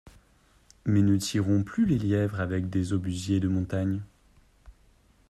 Mais ne tirons plus les lièvres avec des obusiers de montagnes!